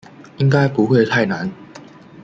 应该不会太难